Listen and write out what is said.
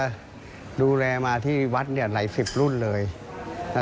คุณผู้ชมฟังเสียงเจ้าอาวาสกันหน่อยค่ะ